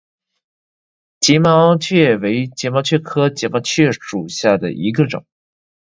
睫毛蕨为睫毛蕨科睫毛蕨属下的一个种。